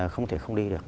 không thể không đi được